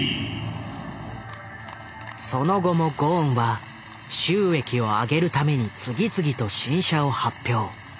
その後もゴーンは収益を上げるために次々と新車を発表。